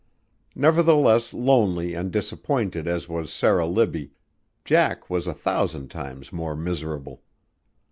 Nevertheless lonely and disappointed as was Sarah Libbie, Jack was a thousand times more miserable.